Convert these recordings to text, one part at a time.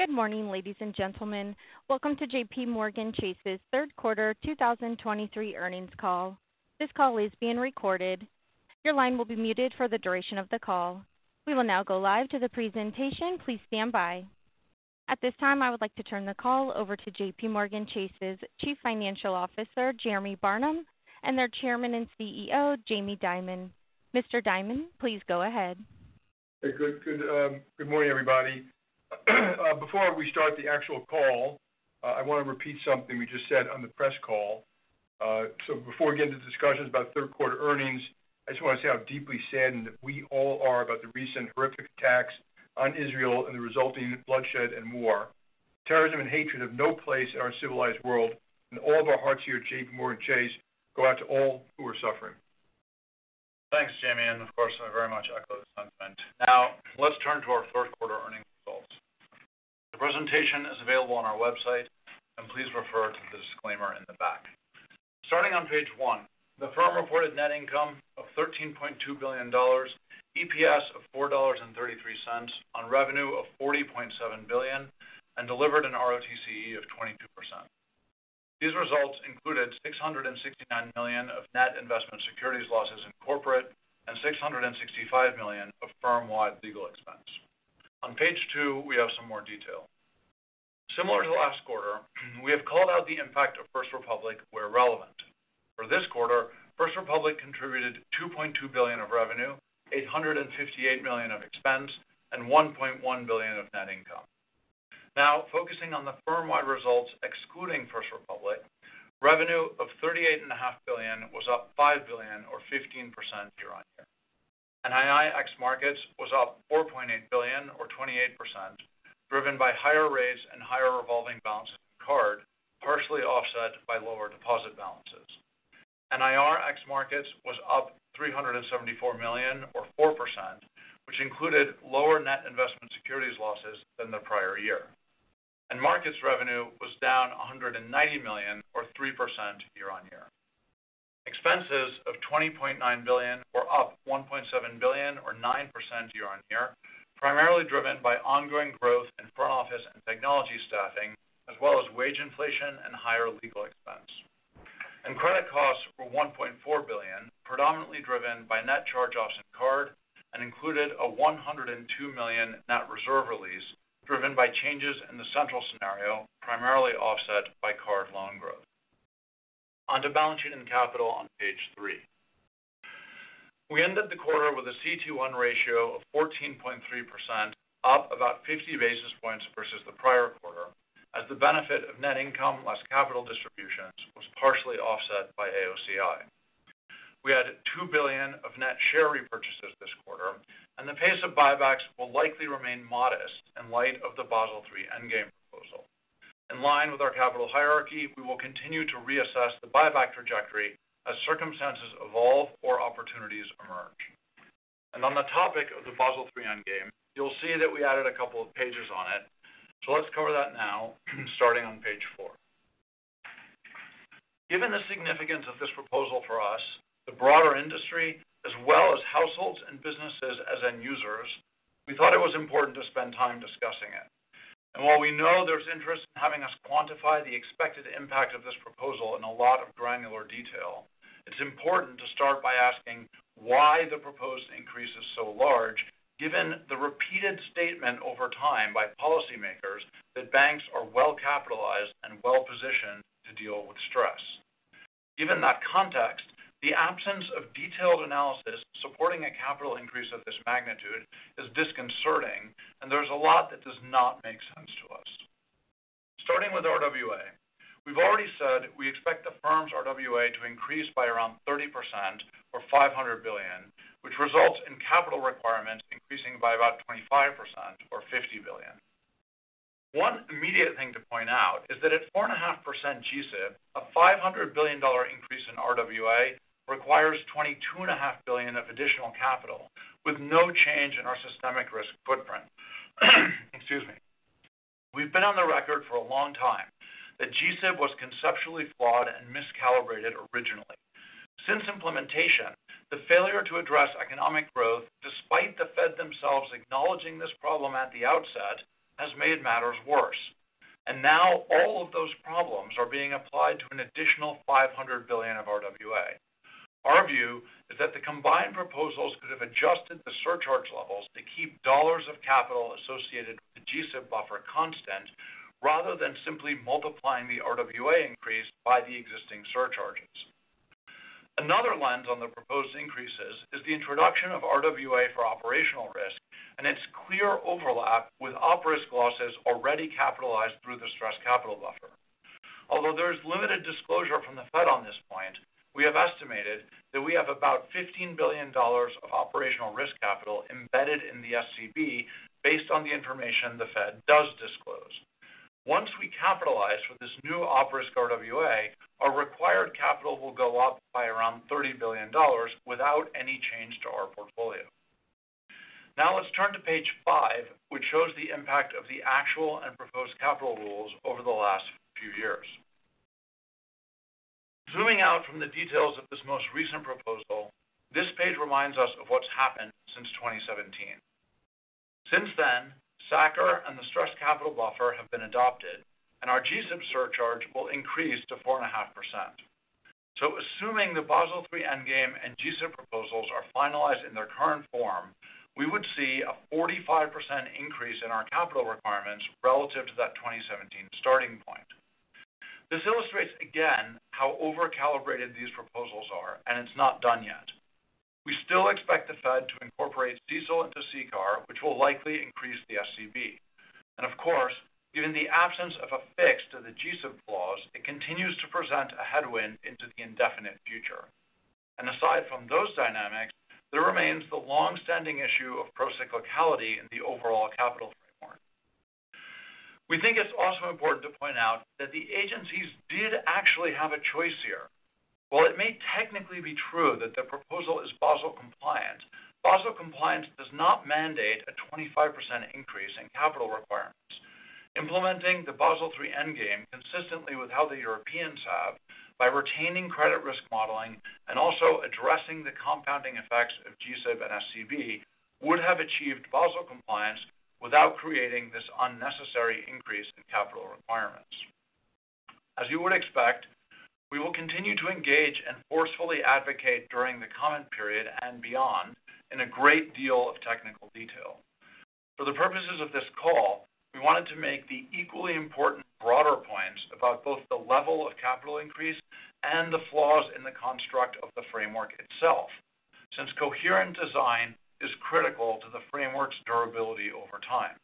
Good morning, ladies and gentlemen. Welcome to JPMorgan Chase's third quarter 2023 earnings call. This call is being recorded. Your line will be muted for the duration of the call. We will now go live to the presentation. Please stand by. At this time, I would like to turn the call over to JPMorgan Chase's Chief Financial Officer, Jeremy Barnum, and their Chairman and CEO, Jamie Dimon. Mr. Dimon, please go ahead. Hey, good, good, good morning, everybody. Before we start the actual call, I want to repeat something we just said on the press call. So before we get into discussions about third quarter earnings, I just want to say how deeply saddened we all are about the recent horrific attacks on Israel and the resulting bloodshed and war. Terrorism and hatred have no place in our civilized world, and all of our hearts here at JPMorgan Chase go out to all who are suffering. Thanks, Jamie, and of course, I very much echo the sentiment. Now, let's turn to our third quarter earnings results. The presentation is available on our website, and please refer to the disclaimer in the back. Starting on page one, the firm reported net income of $13.2 billion, EPS of $4.33 on revenue of $40.7 billion, and delivered an ROTCE of 22%. These results included $669 million of net investment securities losses in corporate and $665 million of firm-wide legal expense. On page two, we have some more detail. Similar to last quarter, we have called out the impact of First Republic where relevant. For this quarter, First Republic contributed $2.2 billion of revenue, $858 million of expense, and $1.1 billion of net income. Now, focusing on the firm-wide results, excluding First Republic, revenue of $38.5 billion was up $5 billion or 15% year-over-year. NII ex- Markets was up $4.8 billion or 28%, driven by higher rates and higher revolving balances in card, partially offset by lower deposit balances. NIR ex markets was up $374 million or 4%, which included lower net investment securities losses than the prior year. Markets revenue was down $190 million or 3% year-over-year. Expenses of $20.9 billion were up $1.7 billion or 9% year-over-year, primarily driven by ongoing growth in front office and technology staffing, as well as wage inflation and higher legal expense. Credit costs were $1.4 billion, predominantly driven by net charge-offs in card, and included a $102 million net reserve release, driven by changes in the central scenario, primarily offset by card loan growth. On to balance sheet and capital on page three. We ended the quarter with a CET1 ratio of 14.3%, up about 50 basis points versus the prior quarter, as the benefit of net income less capital distributions was partially offset by AOCI. We had $2 billion of net share repurchases this quarter, and the pace of buybacks will likely remain modest in light of the Basel III Endgame proposal. In line with our capital hierarchy, we will continue to reassess the buyback trajectory as circumstances evolve or opportunities emerge. On the topic of the Basel III Endgame, you'll see that we added a couple of pages on it. So let's cover that now, starting on page four. Given the significance of this proposal for us, the broader industry, as well as households and businesses as end users, we thought it was important to spend time discussing it. And while we know there's interest in having us quantify the expected impact of this proposal in a lot of granular detail, it's important to start by asking why the proposed increase is so large, given the repeated statement over time by policymakers that banks are well capitalized and well positioned to deal with stress. Given that context, the absence of detailed analysis supporting a capital increase of this magnitude is disconcerting, and there's a lot that does not make sense to us. Starting with RWA, we've already said we expect the firm's RWA to increase by around 30% or $500 billion, which results in capital requirements increasing by about 25% or $50 billion. One immediate thing to point out is that at 4.5% G-SIB, a $500 billion increase in RWA requires $22.5 billion of additional capital with no change in our systemic risk footprint. Excuse me. We've been on the record for a long time that G-SIB was conceptually flawed and miscalibrated originally. Since implementation, the failure to address economic growth, despite the Fed themselves acknowledging this problem at the outset, has made matters worse. Now all of those problems are being applied to an additional $500 billion of RWA. Our view is that the combined proposals could have adjusted the surcharge levels to keep dollars of capital associated with the G-SIB buffer constant, rather than simply multiplying the RWA increase by the existing surcharges. Another lens on the proposed increases is the introduction of RWA for operational risk and its clear overlap with op risk losses already capitalized through the stress capital buffer. Although there is limited disclosure from the Fed on this point, we have estimated that we have about $15 billion of operational risk capital embedded in the SCB based on the information the Fed does disclose. Once we capitalize with this new op risk RWA, our required capital will go up by around $30 billion without any change to our portfolio. Now, let's turn to page 5, which shows the impact of the actual and proposed capital rules over the last few years. Zooming out from the details of this most recent proposal, this page reminds us of what's happened since 2017. Since then, SA-CCR and the stress capital buffer have been adopted, and our G-SIB surcharge will increase to 4.5%. So assuming the Basel III Endgame and G-SIB proposals are finalized in their current form, we would see a 45% increase in our capital requirements relative to that 2017 starting point. This illustrates again, how over-calibrated these proposals are, and it's not done yet. We still expect the Fed to incorporate CECL into CCAR, which will likely increase the SCB. And of course, given the absence of a fix to the G-SIB clause, it continues to present a headwind into the indefinite future. Aside from those dynamics, there remains the long-standing issue of procyclicality in the overall capital framework. We think it's also important to point out that the agencies did actually have a choice here. While it may technically be true that the proposal is Basel compliant, Basel compliance does not mandate a 25% increase in capital requirements. Implementing the Basel III Endgame consistently with how the Europeans have, by retaining credit risk modeling and also addressing the compounding effects of G-SIB and SCB, would have achieved Basel compliance without creating this unnecessary increase in capital requirements. As you would expect, we will continue to engage and forcefully advocate during the comment period and beyond in a great deal of technical detail. For the purposes of this call, we wanted to make the equally important broader points about both the level of capital increase and the flaws in the construct of the framework itself, since coherent design is critical to the framework's durability over time.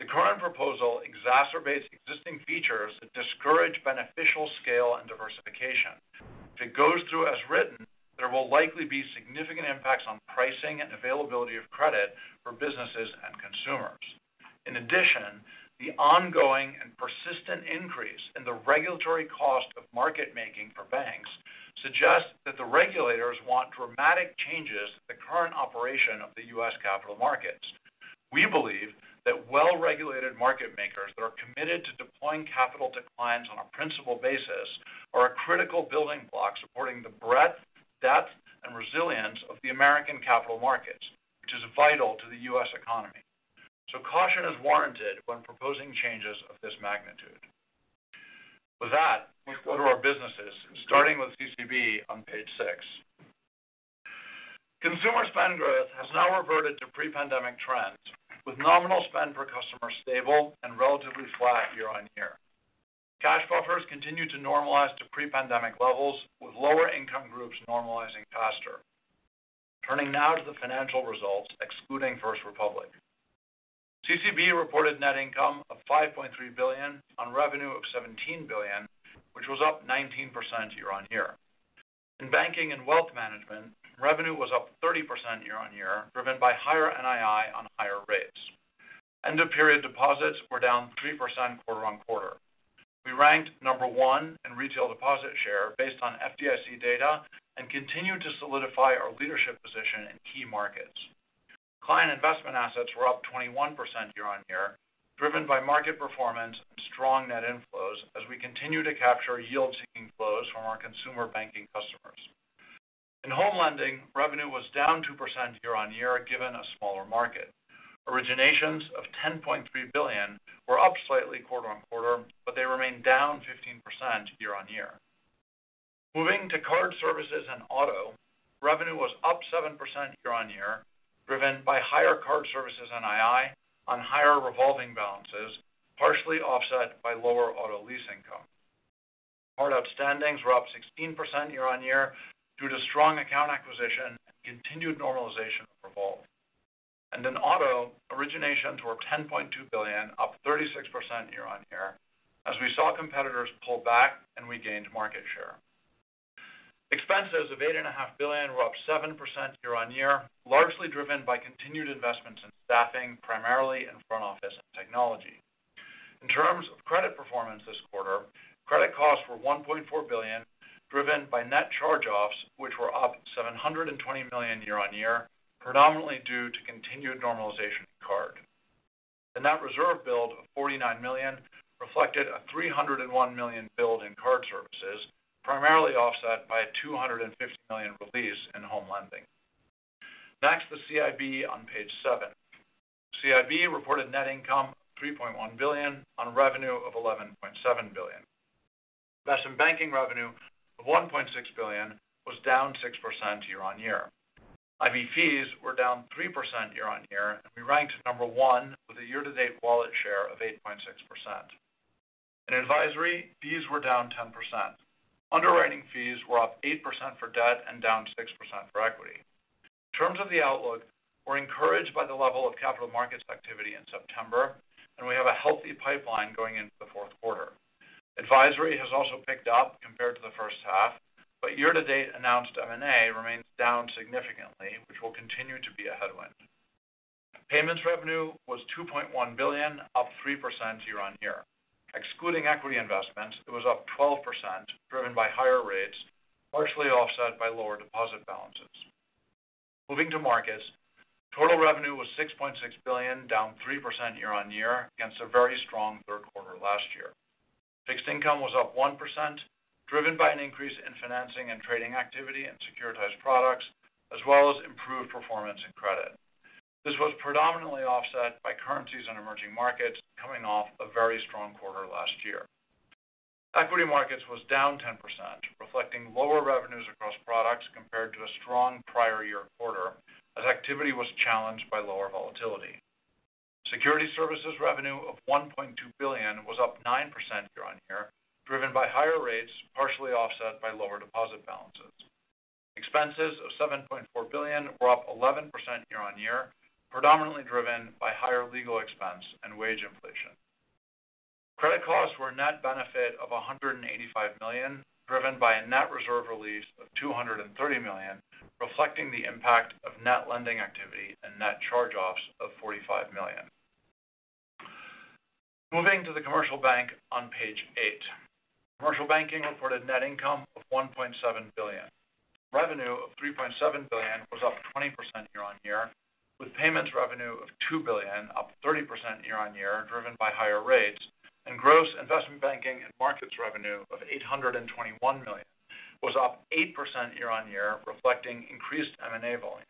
The current proposal exacerbates existing features that discourage beneficial scale and diversification. If it goes through as written, there will likely be significant impacts on pricing and availability of credit for businesses and consumers. In addition, the ongoing and persistent increase in the regulatory cost of market making for banks suggests that the regulators want dramatic changes to the current operation of the U.S. capital markets. We believe that well-regulated market makers that are committed to deploying capital to clients on a principal basis are a critical building block supporting the breadth, depth, and resilience of the American capital markets, which is vital to the U.S. economy. So caution is warranted when proposing changes of this magnitude. With that, let's go to our businesses, starting with CCB on page 6. Consumer spend growth has now reverted to pre-pandemic trends, with nominal spend per customer stable and relatively flat year-over-year. Cash buffers continue to normalize to pre-pandemic levels, with lower income groups normalizing faster. Turning now to the financial results, excluding First Republic. CCB reported net income of $5.3 billion on revenue of $17 billion, which was up 19% year-over-year. In banking and wealth management, revenue was up 30% year-over-year, driven by higher NII on higher rates. End of period deposits were down 3% quarter-over-quarter. We ranked number one in retail deposit share based on FDIC data, and continued to solidify our leadership position in key markets. Client investment assets were up 21% year-on-year, driven by market performance and strong net inflows as we continue to capture yield-seeking flows from our consumer banking customers. In home lending, revenue was down 2% year-on-year, given a smaller market. Originations of $10.3 billion were up slightly quarter-on-quarter, but they remained down 15% year-on-year. Moving to card services and auto, revenue was up 7% year-on-year, driven by higher card services NII on higher revolving balances, partially offset by lower auto lease income. Card outstandings were up 16% year-on-year due to strong account acquisition and continued normalization of revolve. In auto, originations were $10.2 billion, up 36% year-on-year. As we saw competitors pull back and we gained market share. Expenses of $8.5 billion were up 7% year-on-year, largely driven by continued investments in staffing, primarily in front office and technology. In terms of credit performance this quarter, credit costs were $1.4 billion, driven by net charge-offs, which were up $720 million year-on-year, predominantly due to continued normalization of card. The net reserve build of $49 million reflected a $301 million build in card services, primarily offset by a $250 million release in home lending. Next, the CIB on page seven. CIB reported net income of $3.1 billion on revenue of $11.7 billion. Investment banking revenue of $1.6 billion was down 6% year-on-year. IB fees were down 3% year-on-year, and we ranked number one with a year-to-date wallet share of 8.6%. In advisory, fees were down 10%. Underwriting fees were up 8% for debt and down 6% for equity. In terms of the outlook, we're encouraged by the level of capital markets activity in September, and we have a healthy pipeline going into the fourth quarter. Advisory has also picked up compared to the first half, but year-to-date announced M&A remains down significantly, which will continue to be a headwind. Payments revenue was $2.1 billion, up 3% year-on-year. Excluding equity investments, it was up 12%, driven by higher rates, partially offset by lower deposit balances.... Moving to markets. Total revenue was $6.6 billion, down 3% year-on-year, against a very strong third quarter last year. Fixed income was up 1%, driven by an increase in financing and trading activity and securitized products, as well as improved performance in credit. This was predominantly offset by currencies and emerging markets, coming off a very strong quarter last year. Equity markets was down 10%, reflecting lower revenues across products compared to a strong prior year quarter, as activity was challenged by lower volatility. Security services revenue of $1.2 billion was up 9% year-on-year, driven by higher rates, partially offset by lower deposit balances. Expenses of $7.4 billion were up 11% year-on-year, predominantly driven by higher legal expense and wage inflation. Credit costs were a net benefit of $185 million, driven by a net reserve release of $230 million, reflecting the impact of net lending activity and net charge-offs of $45 million. Moving to the commercial bank on page eight. Commercial banking reported net income of $1.7 billion. Revenue of $3.7 billion was up 20% year-on-year, with payments revenue of $2 billion, up 30% year-on-year, driven by higher rates. Gross investment banking and markets revenue of $821 million was up 8% year-on-year, reflecting increased M&A volume.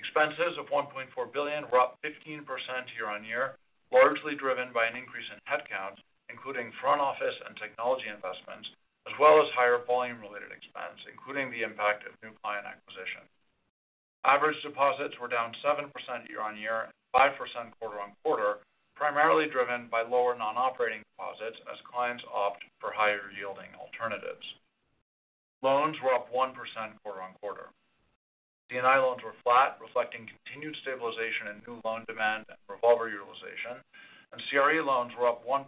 Expenses of $1.4 billion were up 15% year-on-year, largely driven by an increase in headcount, including front office and technology investments, as well as higher volume-related expense, including the impact of new client acquisition. Average deposits were down 7% year-on-year, and 5% quarter-on-quarter, primarily driven by lower non-operating deposits as clients opt for higher-yielding alternatives. Loans were up 1% quarter-on-quarter. C&I loans were flat, reflecting continued stabilization in new loan demand and revolver utilization, and CRE loans were up 1%,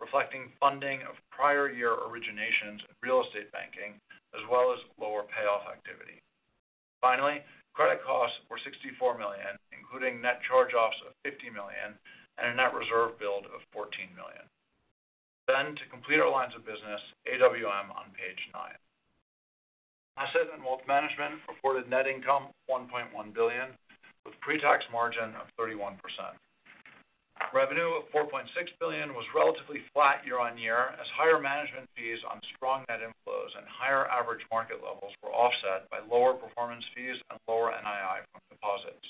reflecting funding of prior year originations in real estate banking, as well as lower payoff activity. Finally, credit costs were $64 million, including net charge-offs of $50 million and a net reserve build of $14 million. Then, to complete our lines of business, AWM on page 9. Asset and Wealth Management reported net income of $1.1 billion, with pre-tax margin of 31%. Revenue of $4.6 billion was relatively flat year-on-year, as higher management fees on strong net inflows and higher average market levels were offset by lower performance fees and lower NII from deposits.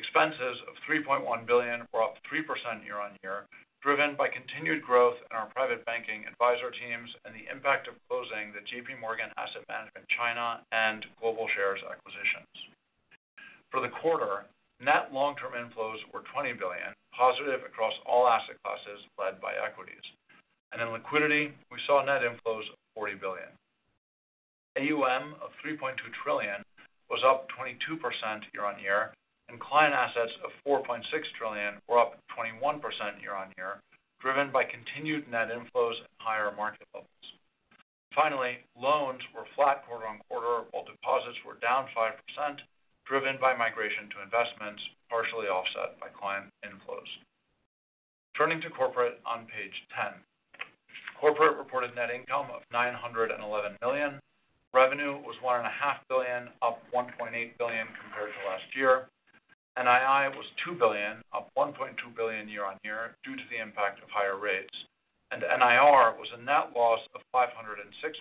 Expenses of $3.1 billion were up 3% year-on-year, driven by continued growth in our private banking advisor teams and the impact of closing the JPMorgan Asset Management China and Global Shares acquisitions. For the quarter, net long-term inflows were $20 billion, positive across all asset classes, led by equities. And in liquidity, we saw net inflows of $40 billion. AUM of $3.2 trillion was up 22% year-on-year, and client assets of $4.6 trillion were up 21% year-on-year, driven by continued net inflows and higher market levels. Finally, loans were flat quarter-on-quarter, while deposits were down 5%, driven by migration to investments, partially offset by client inflows. Turning to corporate on page 10. Corporate reported net income of $911 million. Revenue was $1.5 billion, up $1.8 billion compared to last year. NII was $2 billion, up $1.2 billion year-on-year, due to the impact of higher rates. And NIR was a net loss of $506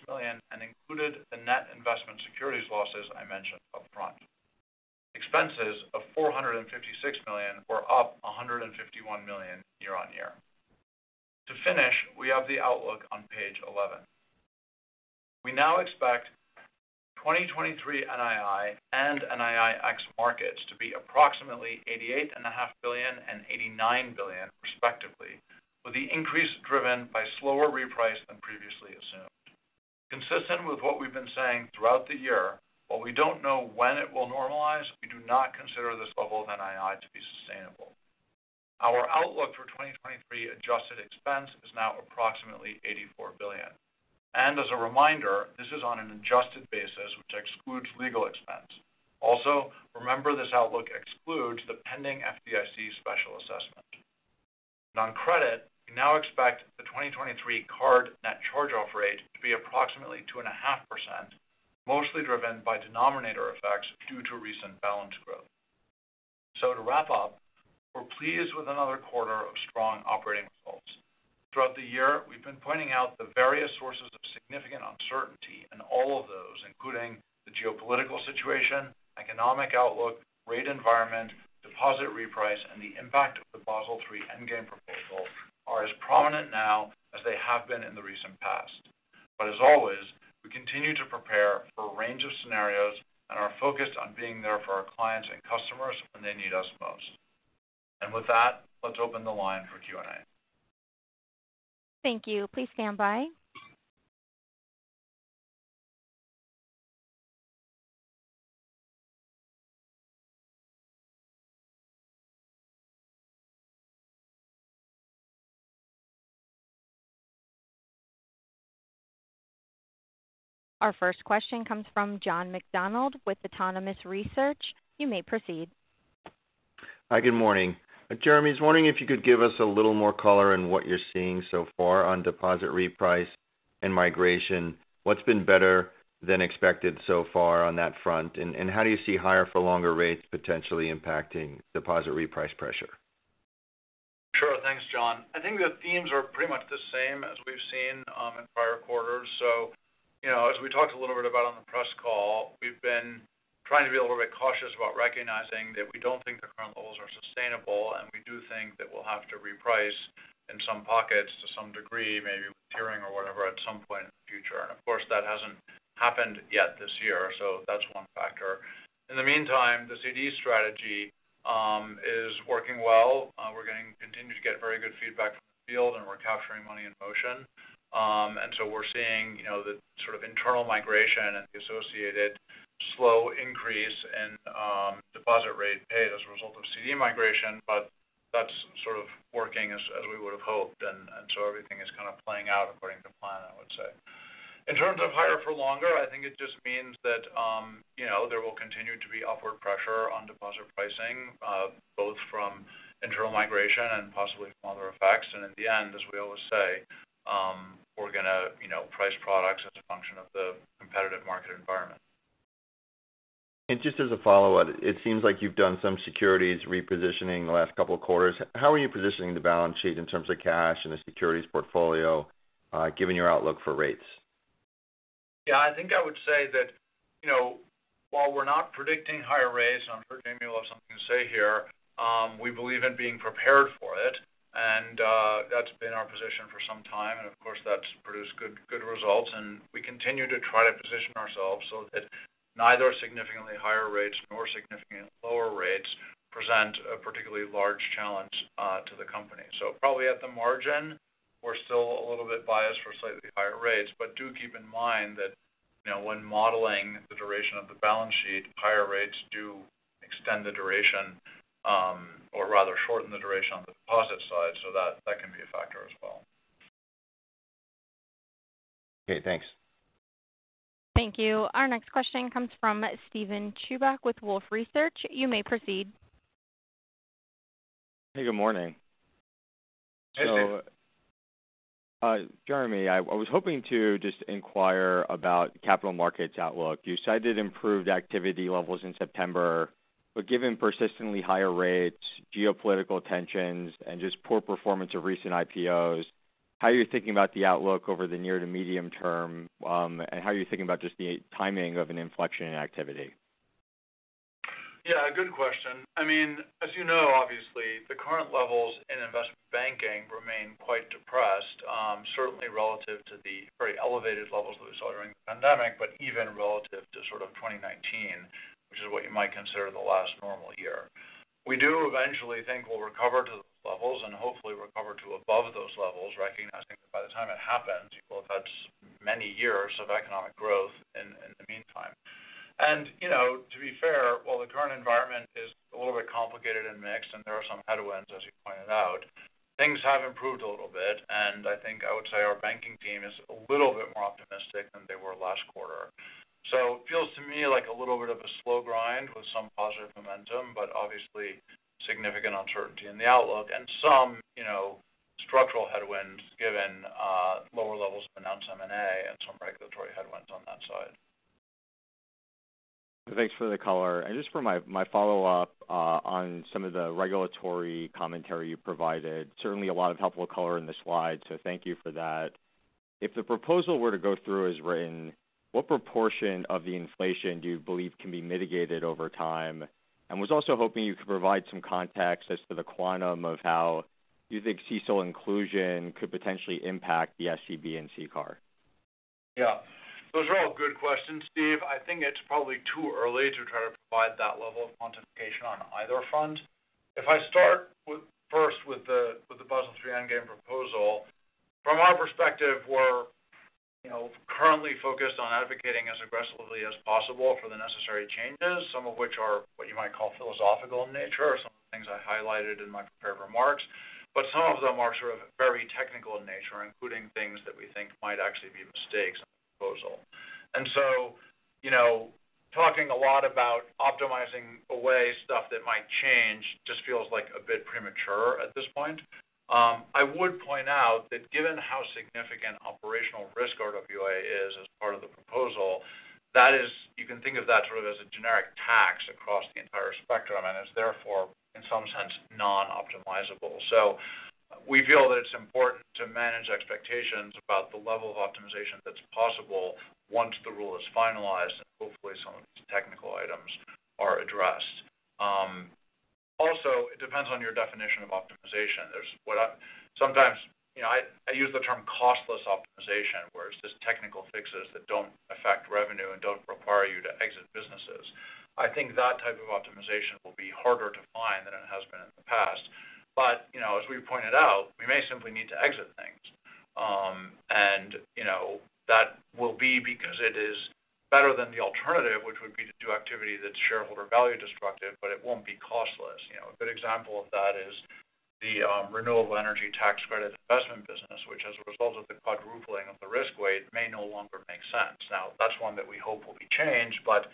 million and included the net investment securities losses I mentioned upfront. Expenses of $456 million were up $151 million year-on-year. To finish, we have the outlook on page 11. We now expect 2023 NII and NII ex-Markets to be approximately $88.5 billion and $89 billion, respectively, with the increase driven by slower reprice than previously assumed. Consistent with what we've been saying throughout the year, while we don't know when it will normalize, we do not consider this level of NII to be sustainable. Our outlook for 2023 adjusted expense is now approximately $84 billion. And as a reminder, this is on an adjusted basis, which excludes legal expense. Also, remember this outlook excludes the pending FDIC special assessment. And on credit, we now expect the 2023 card net charge-off rate to be approximately 2.5%, mostly driven by denominator effects due to recent balance growth. So to wrap up, we're pleased with another quarter of strong operating results. Throughout the year, we've been pointing out the various sources of significant uncertainty, and all of those, including the geopolitical situation, economic outlook, rate environment, deposit reprice, and the impact of the Basel III Endgame proposal, are as prominent now as they have been in the recent past. But as always, we continue to prepare for a range of scenarios and are focused on being there for our clients and customers when they need us most. And with that, let's open the line for Q&A. Thank you. Please stand by. Our first question comes from John McDonald with Autonomous Research. You may proceed.... Hi, good morning. Jeremy, I was wondering if you could give us a little more color on what you're seeing so far on deposit reprice and migration. What's been better than expected so far on that front? And, and how do you see higher for longer rates potentially impacting deposit reprice pressure? Sure. Thanks, John. I think the themes are pretty much the same as we've seen in prior quarters. You know, as we talked a little bit about on the press call, we've been trying to be a little bit cautious about recognizing that we don't think the current levels are sustainable, and we do think that we'll have to reprice in some pockets to some degree, maybe tiering or whatever, at some point in the future. Of course, that hasn't happened yet this year, so that's one factor. In the meantime, the CD strategy is working well. We're getting, continue to get very good feedback from the field, and we're capturing money in motion. And so we're seeing, you know, the sort of internal migration and the associated slow increase in deposit rate paid as a result of CD migration, but that's sort of working as, as we would have hoped, and, and so everything is kind of playing out according to plan, I would say. In terms of higher for longer, I think it just means that, you know, there will continue to be upward pressure on deposit pricing, both from internal migration and possibly from other effects. And at the end, as we always say, we're going to, you know, price products as a function of the competitive market environment. Just as a follow-up, it seems like you've done some securities repositioning the last couple of quarters. How are you positioning the balance sheet in terms of cash and the securities portfolio, given your outlook for rates? Yeah, I think I would say that, you know, while we're not predicting higher rates, and I'm sure Jamie will have something to say here, we believe in being prepared for it, and, that's been our position for some time. And of course, that's produced good, good results, and we continue to try to position ourselves so that neither significantly higher rates nor significantly lower rates present a particularly large challenge, to the company. So probably at the margin, we're still a little bit biased for slightly higher rates. But do keep in mind that, you know, when modeling the duration of the balance sheet, higher rates do extend the duration, or rather shorten the duration on the deposit side, so that, that can be a factor as well. Okay, thanks. Thank you. Our next question comes from Steven Chubak with Wolfe Research. You may proceed. Hey, good morning. Hey, Steve. So, Jeremy, I was hoping to just inquire about capital markets outlook. You cited improved activity levels in September, but given persistently higher rates, geopolitical tensions, and just poor performance of recent IPOs, how are you thinking about the outlook over the near to medium term? And how are you thinking about just the timing of an inflection in activity? Yeah, good question. I mean, as you know, obviously, the current levels in investment banking remain quite depressed, certainly relative to the very elevated levels that we saw during the pandemic, but even relative to sort of 2019, which is what you might consider the last normal year. We do eventually think we'll recover to those levels and hopefully recover to above those levels, recognizing that by the time it happens, we will have had many years of economic growth in the meantime. And, you know, to be fair, while the current environment is a little bit complicated and mixed, and there are some headwinds, as you pointed out, things have improved a little bit, and I think I would say our banking team is a little bit more optimistic than they were last quarter. So it feels to me like a little bit of a slow grind with some positive momentum, but obviously significant uncertainty in the outlook and some, you know, structural headwinds, given lower levels of announced M&A and some regulatory headwinds on that side. Thanks for the color. And just for my, my follow-up, on some of the regulatory commentary you provided, certainly a lot of helpful color in the slide, so thank you for that. If the proposal were to go through as written, what proportion of the inflation do you believe can be mitigated over time? And was also hoping you could provide some context as to the quantum of how you think CECL inclusion could potentially impact the SCB and CCAR. Yeah. Those are all good questions, Steve. I think it's probably too early to try to provide that level of quantification on either front. If I start with, first with the, with the Basel III endgame proposal, from our perspective, we're, you know, currently focused on advocating as aggressively as possible for the necessary changes, some of which are what you might call philosophical in nature, or some of the things I highlighted in my prepared remarks. But some of them are sort of very technical in nature, including things that we think might actually be mistakes in the proposal. And so, you know, talking a lot about optimizing away stuff that might change just feels like a bit premature at this point. I would point out that given how significant operational risk RWA is as part of the proposal, that is, you can think of that sort of as a generic tax across the entire spectrum, and it's therefore, in some sense, non-optimizable. So we feel that it's important to manage expectations about the level of optimization that's possible once the rule is finalized, and hopefully some of the technical items are addressed. Also, it depends on your definition of optimization. There's what I sometimes, you know, I use the term costless optimization, where it's just technical fixes that don't affect revenue and don't require you to exit businesses. I think that type of optimization will be harder to find than it has been in the past. But, you know, as we pointed out, we may simply need to exit things. And, you know, that will be because it is better than the alternative, which would be to do activity that's shareholder value destructive, but it won't be costless. You know, a good example of that, the renewable energy tax credit investment business, which as a result of the quadrupling of the risk weight, may no longer make sense. Now, that's one that we hope will be changed, but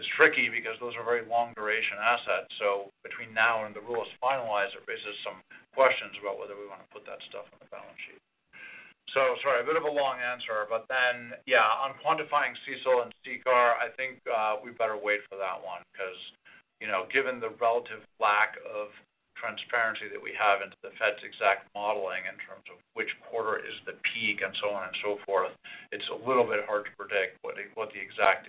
it's tricky because those are very long duration assets. So between now and the rule is finalized, it raises some questions about whether we want to put that stuff on the balance sheet. So sorry, a bit of a long answer, but then, yeah, on quantifying CECL and CCAR, I think we better wait for that one, because, you know, given the relative lack of transparency that we have into the Fed's exact modeling in terms of which quarter is the peak and so on and so forth, it's a little bit hard to predict what the exact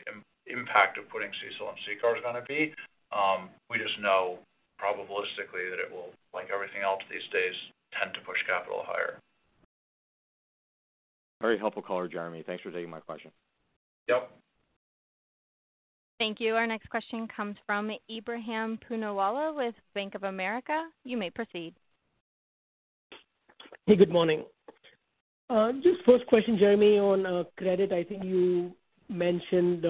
impact of putting CECL and CCAR is gonna be. We just know probabilistically that it will, like everything else these days, tend to push capital higher. Very helpful call, Jeremy. Thanks for taking my question. Yep. Thank you. Our next question comes from Ebrahim Poonawala with Bank of America. You may proceed. Hey, good morning. Just first question, Jeremy, on credit. I think you mentioned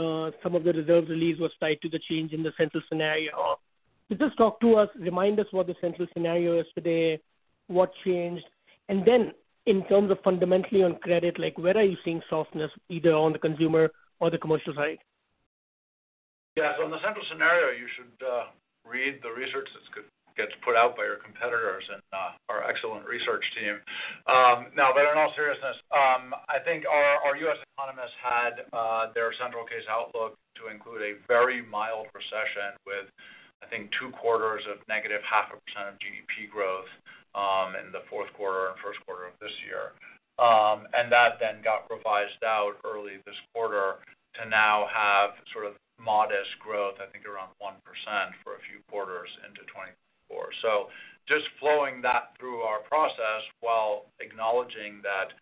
some of the reserve release was tied to the change in the central scenario. Just talk to us, remind us what the central scenario is today, what changed, and then in terms of fundamentally on credit, like, where are you seeing softness, either on the consumer or the commercial side? Yeah, so on the central scenario, you should read the research that's gets put out by your competitors and our excellent research team. But in all seriousness, I think our U.S. economists had their central case outlook to include a very mild recession with, I think, two quarters of negative 0.5% of GDP growth in the fourth quarter and first quarter of this year. And that then got revised out early this quarter to now have sort of modest growth, I think around 1% for a few quarters into 2024. So just flowing that through our process, while acknowledging that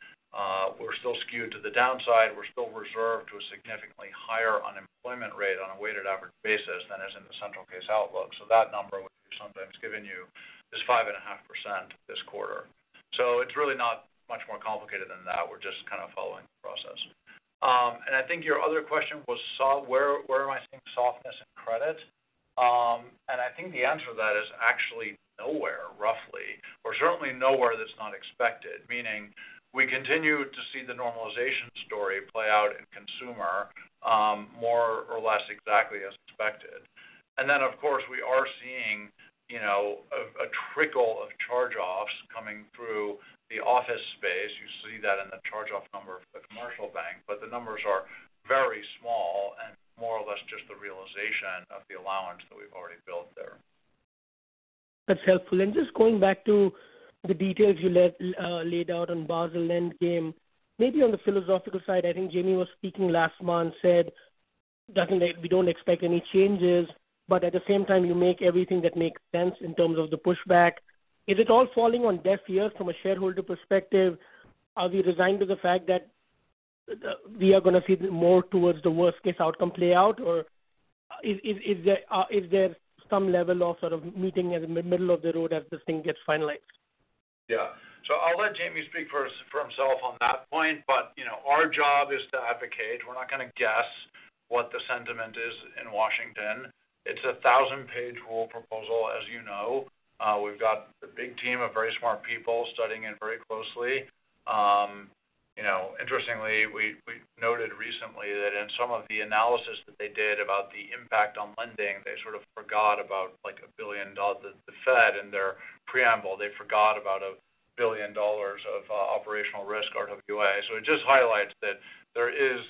we're still skewed to the downside, we're still reserved to a significantly higher unemployment rate on a weighted average basis than is in the central case outlook. So that number, which we've sometimes given you, is 5.5% this quarter. So it's really not much more complicated than that. We're just kind of following the process. And I think your other question was where, where am I seeing softness in credit? And I think the answer to that is actually nowhere, roughly, or certainly nowhere that's not expected, meaning we continue to see the normalization story play out in consumer, more or less exactly as expected. And then, of course, we are seeing, you know, a trickle of charge-offs coming through the office space. You see that in the charge-off number of the commercial bank, but the numbers are very small and more or less just the realization of the allowance that we've already built there. That's helpful. Just going back to the details you laid out on Basel Endgame, maybe on the philosophical side, I think Jamie was speaking last month, said, "Nothing, we don't expect any changes," but at the same time, you make everything that makes sense in terms of the pushback. Is it all falling on deaf ears from a shareholder perspective? Are we resigned to the fact that we are gonna see more towards the worst case outcome play out, or is there some level of sort of meeting in the middle of the road as this thing gets finalized? Yeah. I'll let Jamie speak for himself on that point, but, you know, our job is to advocate. We're not gonna guess what the sentiment is in Washington. It's a 1,000-page rule proposal, as you know. We've got a big team of very smart people studying it very closely. You know, interestingly, we noted recently that in some of the analysis that they did about the impact on lending, they sort of forgot about, like, $1 billion. The Fed, in their preamble, they forgot about $1 billion of operational risk, RWA. It just highlights that there is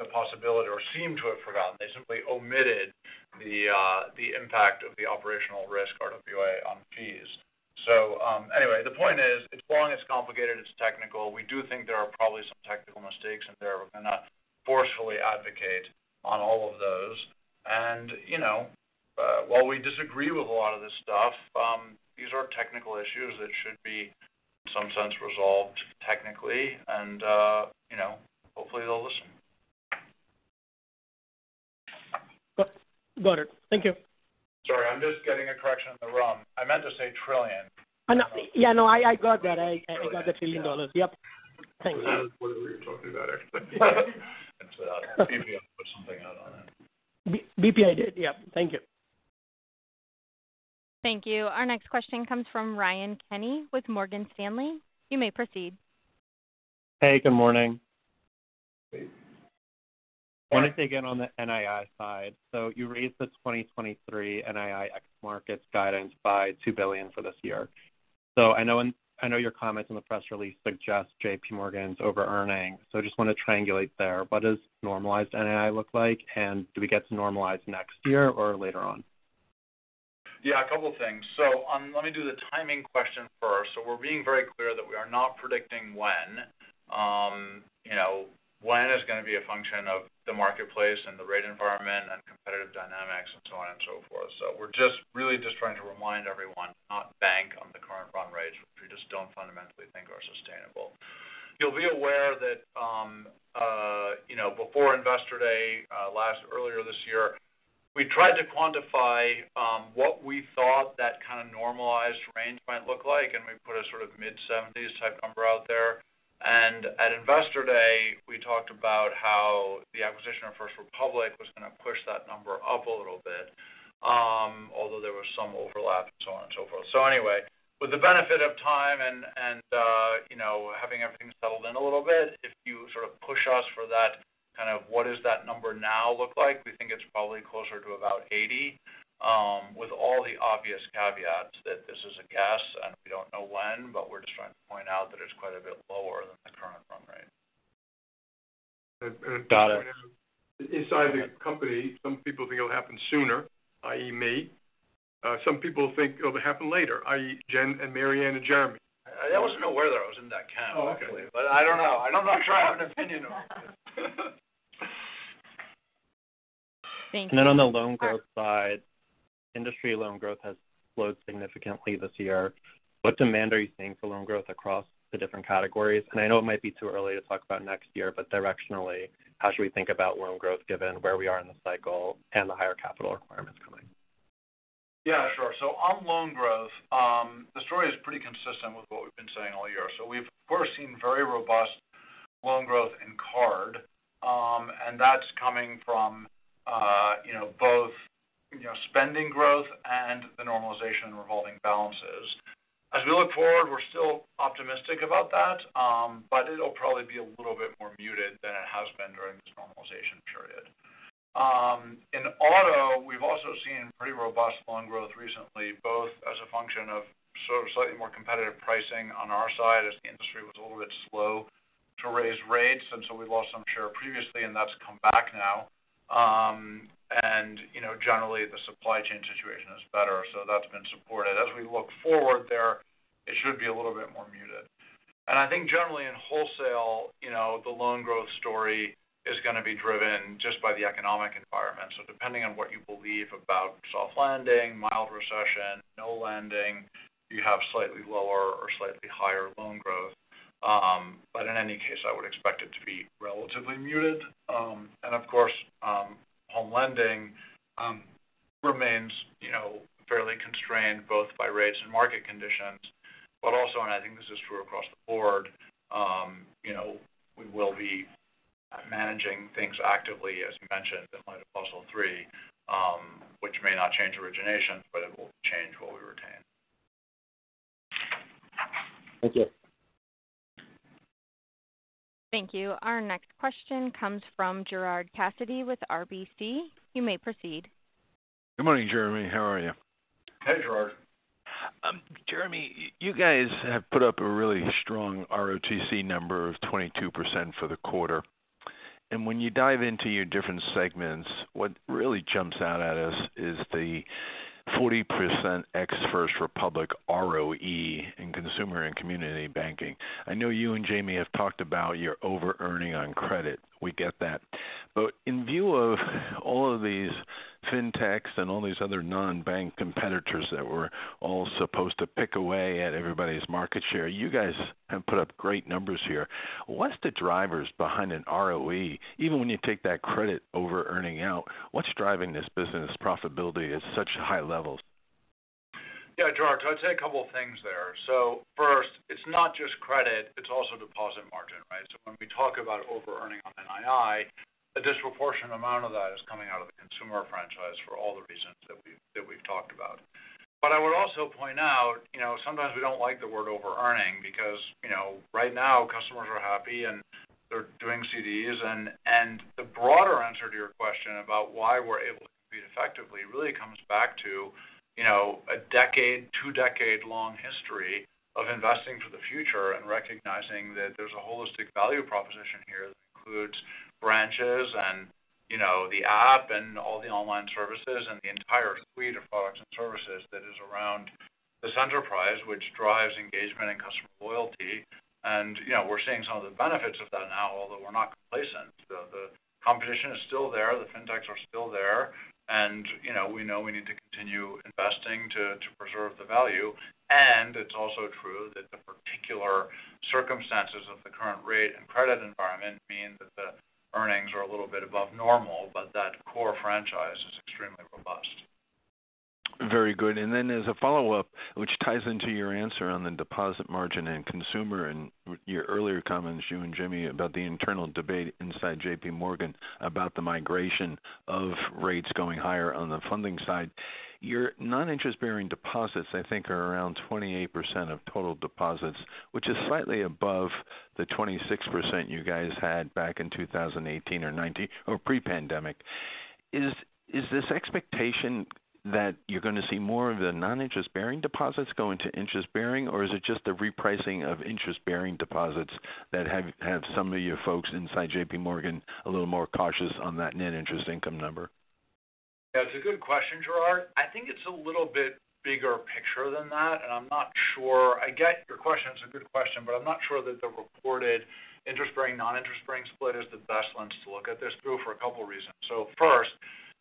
the possibility or seem to have forgotten. They simply omitted the impact of the operational risk, RWA, on fees. Anyway, the point is, it's long, it's complicated, it's technical. We do think there are probably some technical mistakes in there. We're gonna forcefully advocate on all of those. And, you know, while we disagree with a lot of this stuff, these are technical issues that should be, in some sense, resolved technically, and, you know, hopefully, they'll listen. Got it. Thank you. Sorry, I'm just getting a correction on the wrong. I meant to say trillion. No. Yeah, no, I got that. I got the $1 trillion. Yep. Thank you. Whatever you're talking about actually. And so, maybe I'll put something out on it. BPI did. Yep. Thank you. Thank you. Our next question comes from Ryan Kenny with Morgan Stanley. You may proceed. Hey, good morning. Hey. I want to stay again on the NII side. You raised the 2023 NII ex-markets guidance by $2 billion for this year. I know your comments in the press release suggest JPMorgan's over-earning, so just want to triangulate there. What does normalized NII look like? Do we get to normalized next year or later on? Yeah, a couple of things. So, let me do the timing question first. So we're being very clear that we are not predicting when. You know, when is gonna be a function of the marketplace and the rate environment and competitive dynamics, and so on and so forth. So we're just really just trying to remind everyone, not bank on the current run rates, which we just don't fundamentally think are sustainable. You'll be aware that, you know, before Investor Day, last, earlier this year, we tried to quantify, what we thought that kind of normalized range might look like, and we put a sort of mid-seventies type number out there. And at Investor Day, we talked about how-... position of First Republic was going to push that number up a little bit, although there was some overlap and so on and so forth. So anyway, with the benefit of time and, and, you know, having everything settled in a little bit, if you sort of push us for that, kind of what is that number now look like? We think it's probably closer to about 80, with all the obvious caveats that this is a guess, and we don't know when, but we're just trying to point out that it's quite a bit lower than the current run rate. Got it. Inside the company, some people think it'll happen sooner, i.e., me. Some people think it'll happen later, i.e., Jen and Marianne and Jeremy. I wasn't aware that I was in that camp. Okay. But I don't know. I'm not sure I have an opinion on it. Thank you. And then on the loan growth side, industry loan growth has slowed significantly this year. What demand are you seeing for loan growth across the different categories? And I know it might be too early to talk about next year, but directionally, how should we think about loan growth, given where we are in the cycle and the higher capital requirements coming? Yeah, sure. So on loan growth, the story is pretty consistent with what we've been saying all year. So we've, of course, seen very robust loan growth in card, and that's coming from, you know, both, you know, spending growth and the normalization of revolving balances. As we look forward, we're still optimistic about that, but it'll probably be a little bit more muted than it has been during this normalization period. In auto, we've also seen pretty robust loan growth recently, both as a function of sort of slightly more competitive pricing on our side, as the industry was a little bit slow to raise rates, and so we lost some share previously, and that's come back now. And, you know, generally, the supply chain situation is better, so that's been supported. As we look forward there, it should be a little bit more muted. I think generally in wholesale, you know, the loan growth story is going to be driven just by the economic environment. So depending on what you believe about soft landing, mild recession, no landing, you have slightly lower or slightly higher loan growth. But in any case, I would expect it to be relatively muted. And of course, home lending remains, you know, fairly constrained, both by rates and market conditions. But also, and I think this is true across the board, you know, we will be managing things actively, as mentioned, in light of Basel III, which may not change origination, but it will change what we retain. Thank you. Thank you. Our next question comes from Gerard Cassidy with RBC. You may proceed. Good morning, Jeremy. How are you? Hey, Gerard. Jeremy, you guys have put up a really strong ROTCE number of 22% for the quarter. When you dive into your different segments, what really jumps out at us is the 40% ex First Republic ROE in Consumer & Community Banking. I know you and Jamie have talked about you're over-earning on credit. We get that. In view of all of these fintechs and all these other non-bank competitors that were all supposed to pick away at everybody's market share, you guys have put up great numbers here. What's the drivers behind an ROE? Even when you take that credit over-earning out, what's driving this business profitability at such high levels? Yeah, Gerard, so I'd say a couple of things there. So first, it's not just credit, it's also deposit margin, right? So when we talk about overearning on NII, a disproportionate amount of that is coming out of the consumer franchise for all the reasons that we've, that we've talked about. But I would also point out, you know, sometimes we don't like the word overearning because, you know, right now, customers are happy, and they're doing CDs. And, and the broader answer to your question about why we're able to compete effectively really comes back to, you know, a decade, two-decade-long history of investing for the future and recognizing that there's a holistic value proposition here that includes branches and, you know, the app and all the online services and the entire suite of products and services that is around this enterprise, which drives engagement and customer loyalty. you know, we're seeing some of the benefits of that now, although we're not complacent. The competition is still there, the fintechs are still there, and, you know, we know we need to continue investing to preserve the value. And it's also true that the particular circumstances of the current rate and credit environment mean that the earnings are a little bit above normal, but that core franchise is extremely robust. Very good. Then as a follow-up, which ties into your answer on the deposit margin and consumer, and your earlier comments, you and Jimmy, about the internal debate inside JPMorgan about the migration of rates going higher on the funding side. Your non-interest-bearing deposits, I think, are around 28% of total deposits, which is slightly above the 26% you guys had back in 2018 or 2019, or pre-pandemic. Is, is this expectation that you're going to see more of the non-interest-bearing deposits go into interest-bearing, or is it just the repricing of interest-bearing deposits that have, have some of your folks inside JPMorgan a little more cautious on that net interest income number? Yeah, it's a good question, Gerard. I think it's a little bit bigger picture than that, and I'm not sure. I get your question. It's a good question, but I'm not sure that the reported interest-bearing, non-interest-bearing split is the best lens to look at this through for a couple reasons. So first,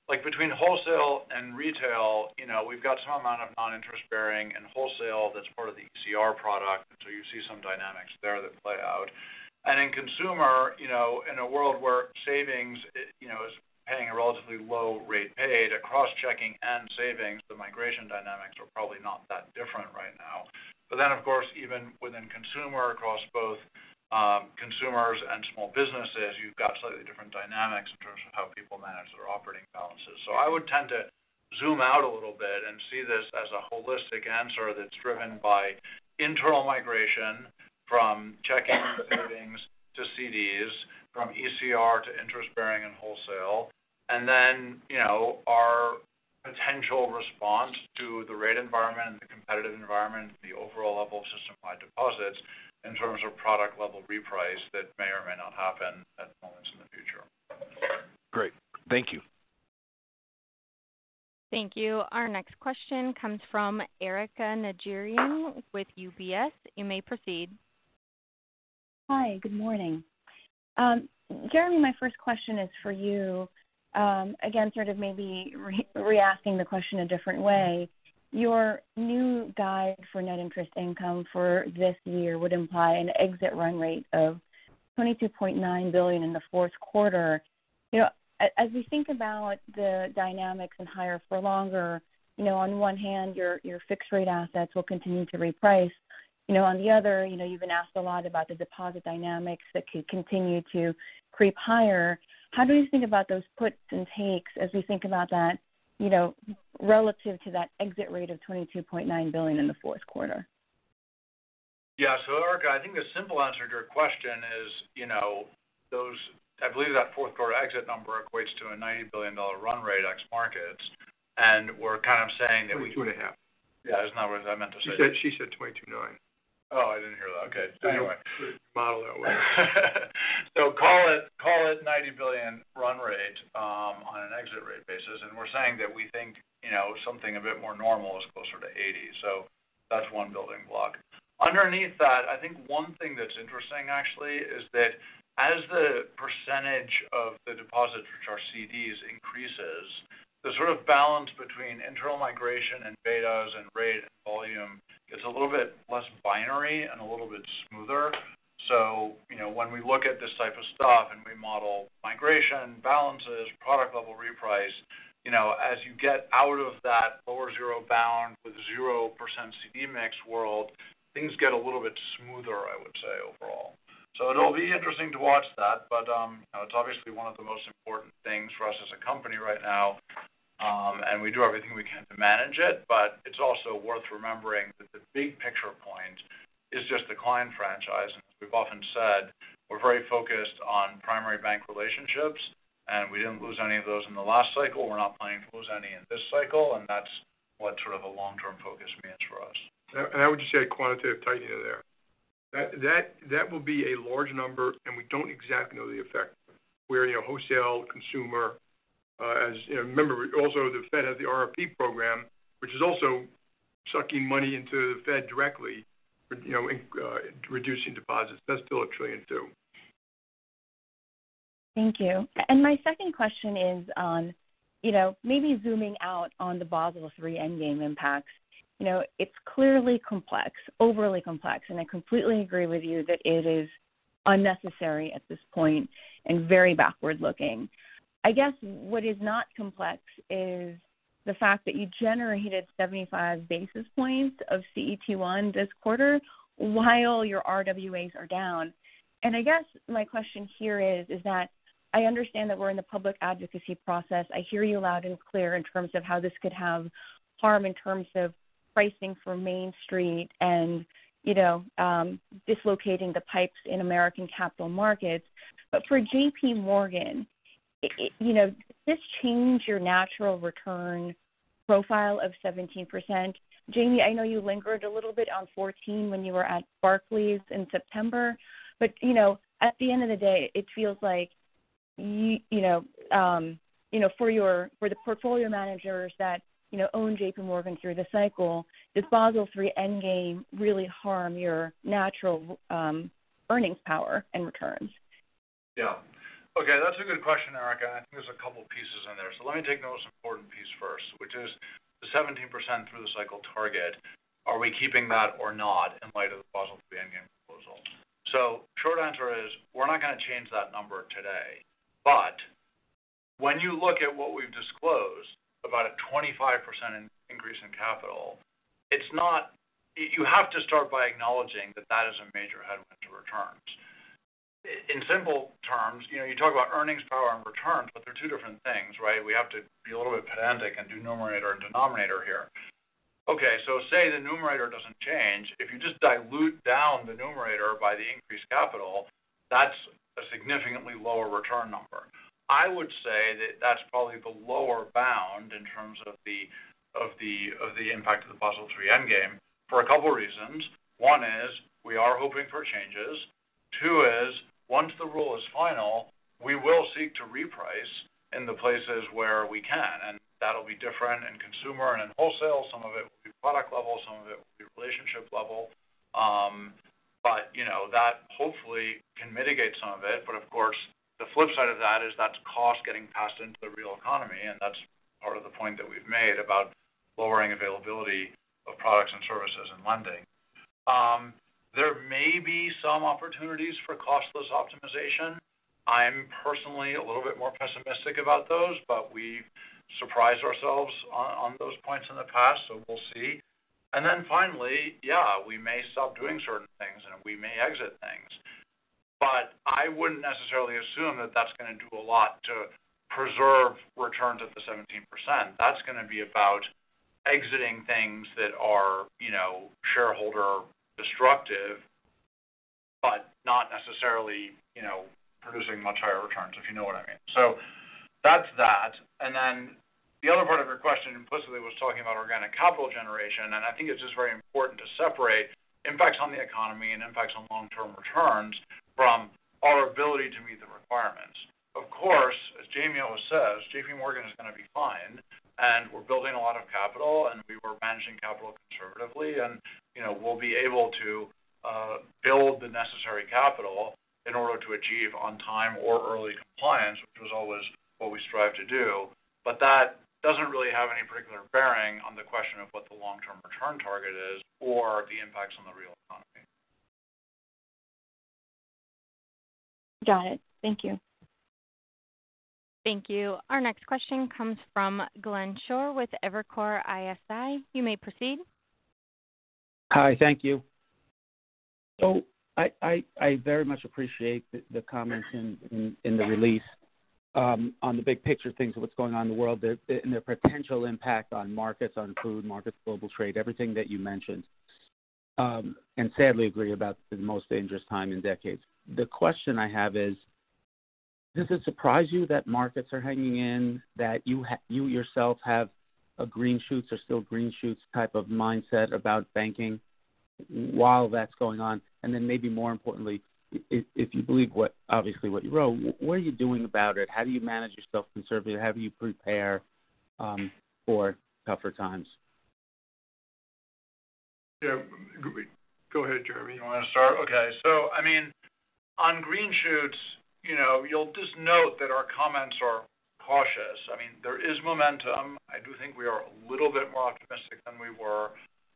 like between wholesale and retail, you know, we've got some amount of non-interest bearing and wholesale that's part of the ECR product, so you see some dynamics there that play out. And in consumer, you know, in a world where savings, you know, is paying a relatively low rate paid across checking and savings, the migration dynamics are probably not that... but then, of course, even within consumer, across both, consumers and small businesses, you've got slightly different dynamics in terms of how people manage their operating balances. So I would tend to zoom out a little bit and see this as a holistic answer that's driven by internal migration from checking and savings to CDs, from ECR to interest-bearing and wholesale. And then, you know, our potential response to the rate environment and the competitive environment, the overall level of system-wide deposits, in terms of product-level reprice that may or may not happen at moments in the future. Great. Thank you. Thank you. Our next question comes from Erika Najarian with UBS. You may proceed. Hi, good morning. Jeremy, my first question is for you. Again, sort of maybe reasking the question a different way. Your new guide for net interest income for this year would imply an exit run rate of $22.9 billion in the fourth quarter. You know, as we think about the dynamics and higher for longer, you know, on one hand, your, your fixed rate assets will continue to reprice. You know, on the other, you know, you've been asked a lot about the deposit dynamics that could continue to creep higher. How do we think about those puts and takes as we think about that, you know, relative to that exit rate of $22.9 billion in the fourth quarter? Yeah. So, Erika, I think the simple answer to your question is, you know, I believe that fourth quarter exit number equates to a $90 billion run rate ex markets, and we're kind of saying that we- 22.5. Yeah, that's not what I meant to say. She said, she said 22 9. Oh, I didn't hear that. Okay, so anyway. Model that way. So call it, call it $90 billion run rate, on an exit rate basis, and we're saying that we think, you know, something a bit more normal is closer to $80 billion. So that's one building block. Underneath that, I think one thing that's interesting, actually, is that as the percentage of the deposits, which are CDs, increases, the sort of balance between internal migration and betas and rate and volume gets a little bit less binary and a little bit smoother. So you know, when we look at this type of stuff, and we model migration, balances, product level reprice, you know, as you get out of that lower zero bound with 0% CD mix world, things get a little bit smoother, I would say, overall. So it'll be interesting to watch that, but, it's obviously one of the most important things for us as a company right now, and we do everything we can to manage it. But it's also worth remembering that the big picture point is just the client franchise. And as we've often said, we're very focused on primary bank relationships, and we didn't lose any of those in the last cycle. We're not planning to lose any in this cycle, and that's what sort of a long-term focus means for us. I would just say quantitative tightening there. That will be a large number, and we don't exactly know the effect, where, you know, wholesale, consumer, as you know... Remember, also, the Fed has the RRP program, which is also sucking money into the Fed directly, but, you know, in, reducing deposits. That's still $1 trillion, too. Thank you. My second question is on, you know, maybe zooming out on the Basel III Endgame impacts. You know, it's clearly complex, overly complex, and I completely agree with you that it is unnecessary at this point and very backward-looking. I guess what is not complex is the fact that you generated 75 basis points of CET1 this quarter while your RWAs are down. I guess my question here is, is that I understand that we're in the public advocacy process. I hear you loud and clear in terms of how this could have harm in terms of pricing for Main Street and, you know, dislocating the pipes in American capital markets. But for JPMorgan, it, you know, does this change your natural return profile of 17%? Jamie, I know you lingered a little bit on 14 when you were at Barclays in September, but, you know, at the end of the day, it feels like you, you know, you know, for your—for the portfolio managers that, you know, own JPMorgan through the cycle, does Basel III Endgame really harm your natural earnings power and returns? Yeah. Okay, that's a good question, Erika. I think there's a couple pieces in there. So let me take the most important piece first, which is the 17% through the cycle target. Are we keeping that or not in light of the Basel III Endgame proposal? So short answer is, we're not going to change that number today. But when you look at what we've disclosed, about a 25% increase in capital, it's not. You have to start by acknowledging that that is a major headwind to returns. In simple terms, you know, you talk about earnings power and returns, but they're two different things, right? We have to be a little bit pedantic and do numerator and denominator here. Okay, so say the numerator doesn't change. If you just dilute down the numerator by the increased capital, that's a significantly lower return number. I would say that that's probably the lower bound in terms of the impact of the Basel III Endgame, for a couple reasons. One is, we are hoping for changes. Two is, once the rule is final, we will seek to reprice in the places where we can, and that'll be different in consumer and in wholesale. Some of it will be product level, some of it will be relationship level. But you know, that hopefully can mitigate some of it. But of course, the flip side of that is that's cost getting passed into the real economy, and that's part of the point that we've made about lowering availability of products and services and lending... some opportunities for costless optimization. I'm personally a little bit more pessimistic about those, but we've surprised ourselves on those points in the past, so we'll see. And then finally, yeah, we may stop doing certain things, and we may exit things. But I wouldn't necessarily assume that that's gonna do a lot to preserve returns at the 17%. That's gonna be about exiting things that are, you know, shareholder destructive, but not necessarily, you know, producing much higher returns, if you know what I mean. So that's that. And then the other part of your question, implicitly, was talking about organic capital generation, and I think it's just very important to separate impacts on the economy and impacts on long-term returns from our ability to meet the requirements. Of course, as Jamie always says, JPMorgan is gonna be fine, and we're building a lot of capital, and we were managing capital conservatively. You know, we'll be able to build the necessary capital in order to achieve on time or early compliance, which was always what we strive to do. But that doesn't really have any particular bearing on the question of what the long-term return target is or the impacts on the real economy. Got it. Thank you. Thank you. Our next question comes from Glenn Schorr with Evercore ISI. You may proceed. Hi, thank you. So I very much appreciate the comments in the release on the big picture things of what's going on in the world, and the potential impact on markets, on food markets, global trade, everything that you mentioned, and sadly agree about the most dangerous time in decades. The question I have is, does it surprise you that markets are hanging in, that you yourselves have a green shoots or still green shoots type of mindset about banking while that's going on? And then maybe more importantly, if you believe what obviously what you wrote, what are you doing about it? How do you manage yourself conservatively? How do you prepare for tougher times? Yeah. Go ahead, Jeremy. You want to start? Okay. So I mean, on green shoots, you know, you'll just note that our comments are cautious. I mean, there is momentum. I do think we are a little bit more optimistic than we were,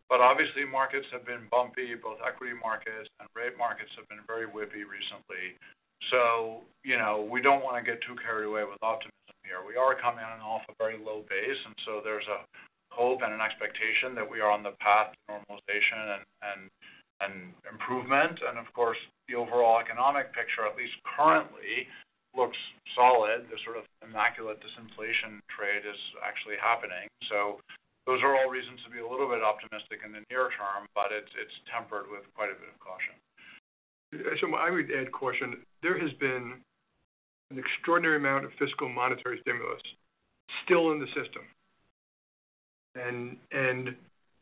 but obviously markets have been bumpy. Both equity markets and rate markets have been very whippy recently. So, you know, we don't want to get too carried away with optimism here. We are coming in off a very low base, and so there's a hope and an expectation that we are on the path to normalization and, and, and improvement. And of course, the overall economic picture, at least currently, looks solid. The sort of immaculate disinflation trade is actually happening. So those are all reasons to be a little bit optimistic in the near term, but it's, it's tempered with quite a bit of caution. I would add caution. There has been an extraordinary amount of fiscal monetary stimulus still in the system. And,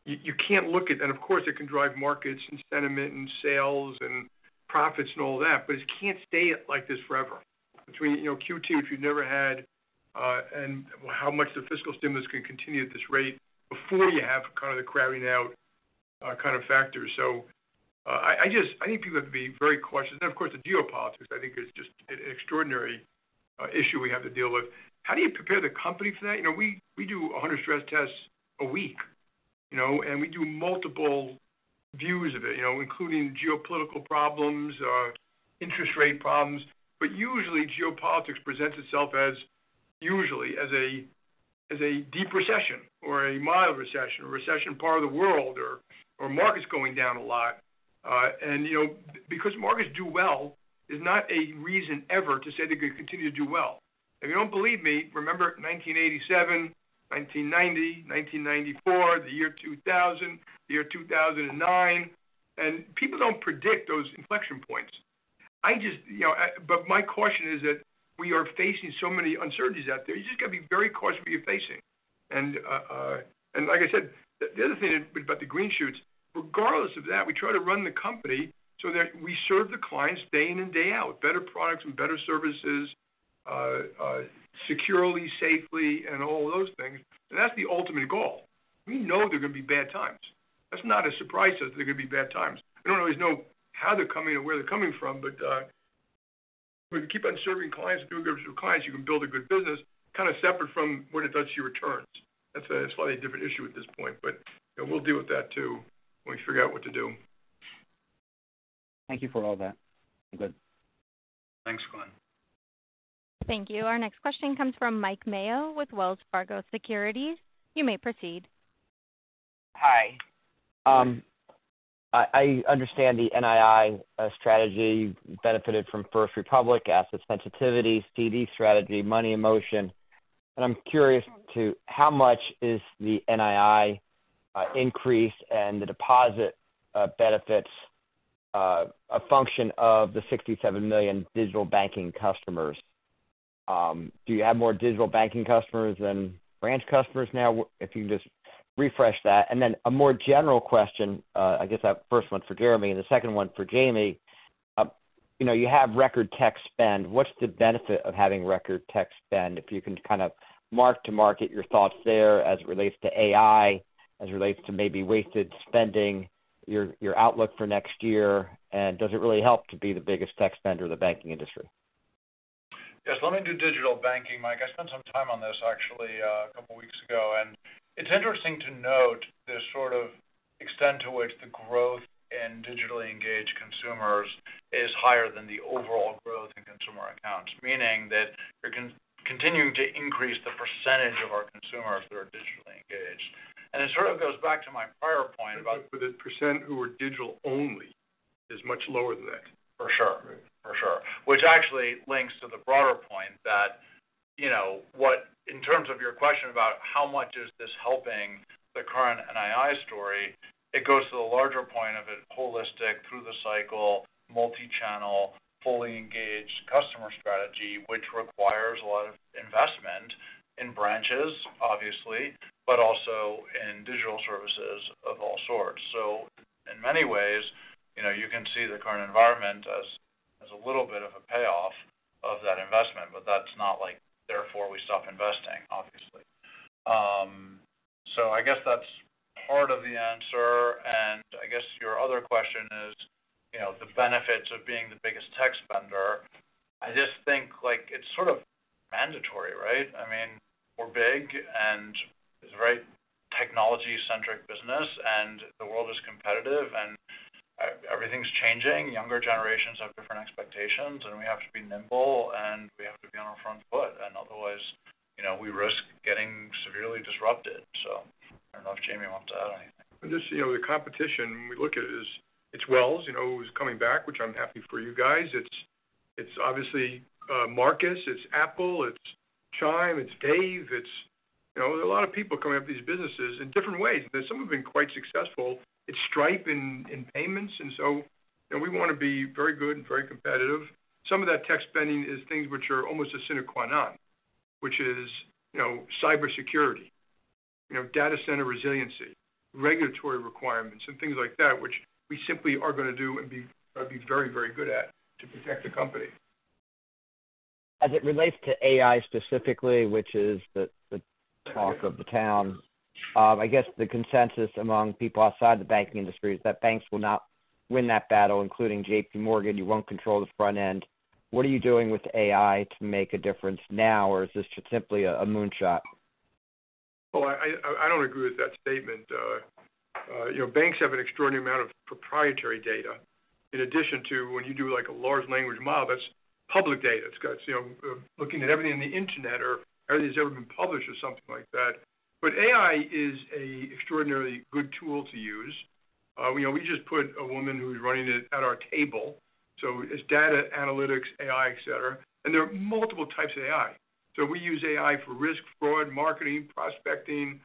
you can't look at—of course, it can drive markets and sentiment and sales and profits and all that, but it can't stay like this forever. Between, you know, Q2, if you've never had, and how much the fiscal stimulus can continue at this rate before you have kind of the crowding out kind of factor. I just, I think people have to be very cautious. And of course, the geopolitics, I think, is just an extraordinary issue we have to deal with. How do you prepare the company for that? You know, we do 100 stress tests a week, you know, and we do multiple views of it, you know, including geopolitical problems, interest rate problems. But usually, geopolitics presents itself as, usually as a, as a deep recession or a mild recession, a recession part of the world or, or markets going down a lot. And, you know, because markets do well, is not a reason ever to say they're going to continue to do well. If you don't believe me, remember 1987, 1990, 1994, the year 2000, the year 2009, and people don't predict those inflection points. I just, you know, but my caution is that we are facing so many uncertainties out there. You just got to be very cautious what you're facing. And like I said, the other thing about the green shoots, regardless of that, we try to run the company so that we serve the clients day in and day out, better products and better services, securely, safely, and all those things. That's the ultimate goal. We know there are gonna be bad times. That's not a surprise that there are gonna be bad times. We don't always know how they're coming or where they're coming from, but if we keep on serving clients and doing good with clients, you can build a good business, kind of separate from what it does to your returns. That's a slightly different issue at this point, but you know, we'll deal with that too, when we figure out what to do. Thank you for all that. I'm good. Thanks, Glenn. Thank you. Our next question comes from Mike Mayo with Wells Fargo Securities. You may proceed. Hi. I understand the NII strategy benefited from First Republic, asset sensitivity, CD strategy, money in motion, and I'm curious to how much is the NII increase and the deposit benefits a function of the 67 million digital banking customers? Do you have more digital banking customers than branch customers now? If you can just refresh that. And then a more general question, I guess I have first one for Jeremy and the second one for Jamie. You know, you have record tech spend. What's the benefit of having record tech spend? If you can kind of mark to market your thoughts there as it relates to AI, as it relates to maybe wasted spending, your outlook for next year, and does it really help to be the biggest tech spender in the banking industry?... Yes, let me do digital banking, Mike. I spent some time on this actually, a couple weeks ago, and it's interesting to note the sort of extent to which the growth in digitally engaged consumers is higher than the overall growth in consumer accounts. Meaning that we're continuing to increase the percentage of our consumers that are digitally engaged. And it sort of goes back to my prior point about- But the percent who are digital only is much lower than that. For sure. Right? For sure, which actually links to the broader point that, you know, in terms of your question about how much is this helping the current NII story, it goes to the larger point of a holistic, through the cycle, multi-channel, fully engaged customer strategy, which requires a lot of investment in branches, obviously, but also in digital services of all sorts. So in many ways, you know, you can see the current environment as a little bit of a payoff of that investment, but that's not like therefore we stop investing, obviously. So I guess that's part of the answer. And I guess your other question is, you know, the benefits of being the biggest tech spender. I just think, like, it's sort of mandatory, right? I mean, we're big, and it's a very technology-centric business, and everything's changing. Younger generations have different expectations, and we have to be nimble, and we have to be on our front foot, and otherwise, you know, we risk getting severely disrupted. I don't know if Jamie wants to add anything. Just, you know, the competition, we look at it, it's Wells, you know, who's coming back, which I'm happy for you guys. It's, it's obviously, Marcus, it's Apple, it's Chime, it's Dave, it's, you know, there's a lot of people coming up with these businesses in different ways, but some have been quite successful. It's Stripe in, in payments, and so, you know, we want to be very good and very competitive. Some of that tech spending is things which are almost a sine qua non, which is, you know, cybersecurity, you know, data center resiliency, regulatory requirements, and things like that, which we simply are going to do and be, be very, very good at to protect the company. As it relates to AI specifically, which is the talk of the town, I guess the consensus among people outside the banking industry is that banks will not win that battle, including JPMorgan. You won't control the front end. What are you doing with AI to make a difference now, or is this just simply a moonshot? Well, I don't agree with that statement. You know, banks have an extraordinary amount of proprietary data. In addition to when you do, like, a large language model, that's public data. It's got, you know, looking at everything in the internet or everything that's ever been published or something like that. But AI is an extraordinarily good tool to use. We know we just put a woman who's running it at our table, so it's data analytics, AI, et cetera. And there are multiple types of AI. So we use AI for risk, fraud, marketing, prospecting.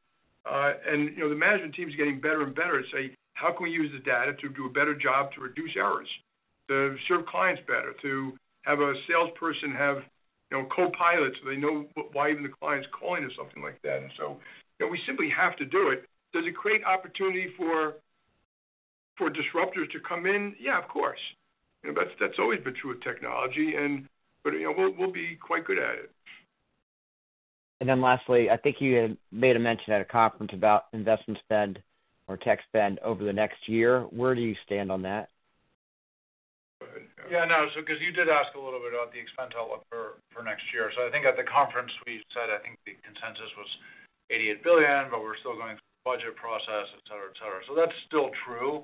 And, you know, the management team is getting better and better at saying: How can we use the data to do a better job to reduce errors, to serve clients better, to have a salesperson have, you know, copilots, so they know why even the client's calling or something like that. And so, you know, we simply have to do it. Does it create opportunity for disruptors to come in? Yeah, of course. You know, that's always been true with technology, and but, you know, we'll be quite good at it. And then lastly, I think you had made a mention at a conference about investment spend or tech spend over the next year. Where do you stand on that? Yeah, no, so because you did ask a little bit about the expense outlook for next year. So I think at the conference we said, I think the consensus was $88 billion, but we're still going through the budget process, et cetera, et cetera. So that's still true.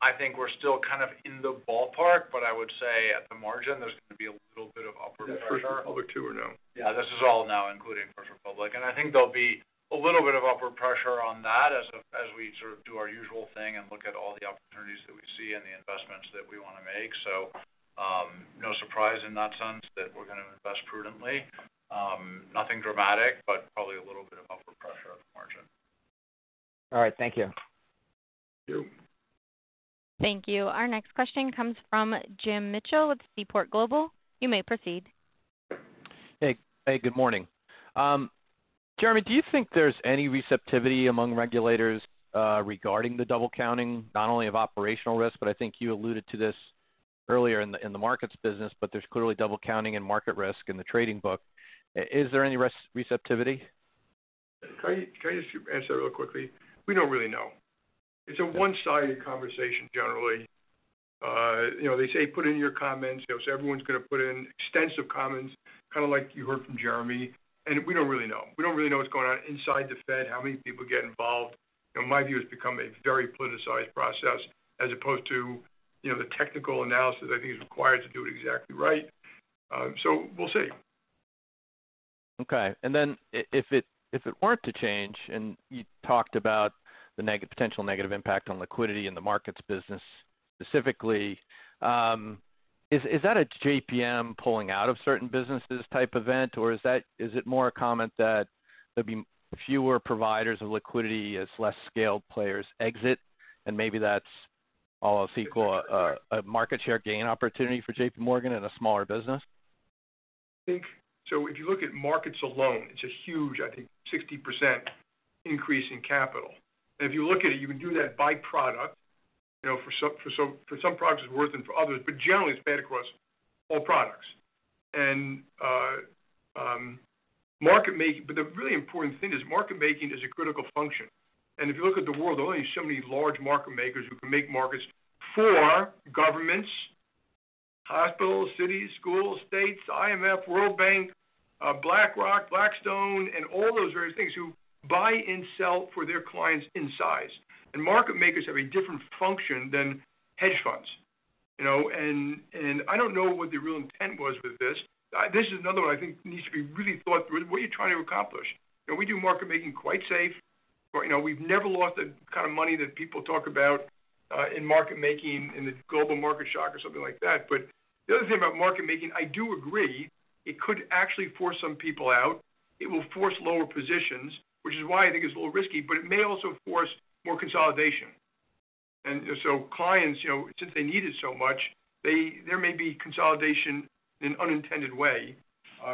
I think we're still kind of in the ballpark, but I would say at the margin, there's going to be a little bit of upward pressure. First Republic too, or no? Yeah, this is all now including First Republic, and I think there'll be a little bit of upward pressure on that as we sort of do our usual thing and look at all the opportunities that we see and the investments that we want to make. So, no surprise in that sense that we're going to invest prudently. Nothing dramatic, but probably a little bit of upward pressure on the margin. All right. Thank you. Thank you. Thank you. Our next question comes from Jim Mitchell with Seaport Global. You may proceed. Hey, hey, good morning. Jeremy, do you think there's any receptivity among regulators regarding the double counting, not only of operational risk, but I think you alluded to this earlier in the markets business, but there's clearly double counting and market risk in the trading book. Is there any receptivity? Can I, can I just answer that real quickly? We don't really know. It's a one-sided conversation generally. You know, they say, put in your comments, you know, so everyone's going to put in extensive comments, kind of like you heard from Jeremy, and we don't really know. We don't really know what's going on inside the Fed, how many people get involved. In my view, it's become a very politicized process as opposed to, you know, the technical analysis I think is required to do it exactly right. So we'll see. Okay. And then if it, if it weren't to change, and you talked about the potential negative impact on liquidity in the markets business specifically, is, is that a JPM pulling out of certain businesses type event, or is that, is it more a comment that there'd be fewer providers of liquidity as less scaled players exit, and maybe that's all else equal, a market share gain opportunity for JPMorgan and a smaller business? I think, so if you look at markets alone, it's a huge, I think, 60% increase in capital. And if you look at it, you can do that by product. You know, for some, for some, for some products, it's worse than for others, but generally, it's bad across all products. And market making, but the really important thing is market making is a critical function. And if you look at the world, there are only so many large market makers who can make markets for governments, hospitals, cities, schools, states, IMF, World Bank, BlackRock, Blackstone, and all those various things who buy and sell for their clients in size. And market makers have a different function than hedge funds, you know? And I don't know what the real intent was with this. This is another one I think needs to be really thought through. What are you trying to accomplish? And we do market making quite safe, but, you know, we've never lost the kind of money that people talk about in market making in the Global Market Shock or something like that. But the other thing about market making, I do agree it could actually force some people out. It will force lower positions, which is why I think it's a little risky, but it may also force more consolidation. And so clients, you know, since they need it so much, they, there may be consolidation in an unintended way